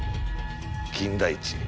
金田一